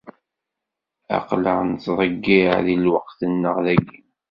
Aql-aɣ nettḍeyyiε deg lewqat-nneɣ dayi.